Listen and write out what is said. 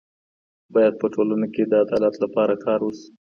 باید په ټولنه کې د عدالت لپاره کار وسي.